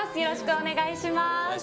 お願いします。